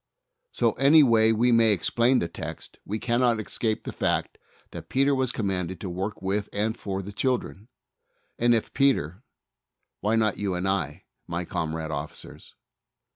So 144 THE soul winner's SECRET. any way we may explain the text, we cannot escape the fact that Peter was commanded to work with and for the children. And if Peter, why not you and I, my comrade officers?